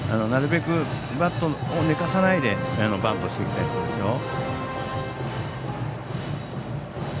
なるべく、バットを寝かさないでバントしていきたいです。